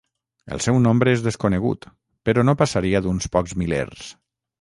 El seu nombre és desconegut però no passaria d'uns pocs milers.